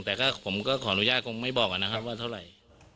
แต่ก็ผมก็ขออนุญาตคงไม่บอกนะครับว่าเท่าไหร่